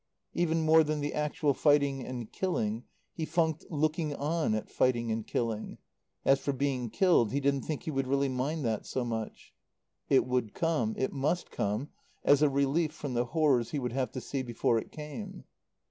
Even more than the actual fighting and killing, he funked looking on at fighting and killing; as for being killed, he didn't think he would really mind that so much. It would come it must come as a relief from the horrors he would have to see before it came.